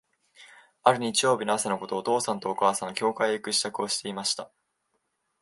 ある日曜日の朝のこと、お父さんとお母さんは、教会へ行く支度をしていました。